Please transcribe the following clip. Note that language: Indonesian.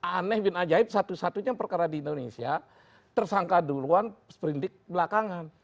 aneh bin ajaib satu satunya perkara di indonesia tersangka duluan seperindik belakangan